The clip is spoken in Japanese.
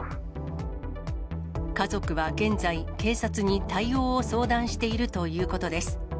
家族は現在、警察に対応を相談しているということです。